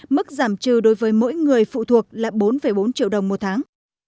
mức giảm trừ đối với mỗi người phụ thuộc là bốn bốn triệu đồng một tháng